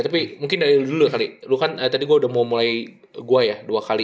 tapi mungkin dari dulu kali lu kan tadi gue udah mau mulai gua ya dua kali